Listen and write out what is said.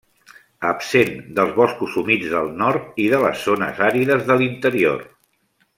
Absent dels boscos humits del nord i de les zones àrides de l'interior.